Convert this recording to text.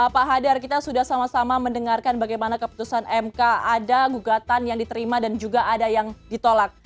pak hadar kita sudah sama sama mendengarkan bagaimana keputusan mk ada gugatan yang diterima dan juga ada yang ditolak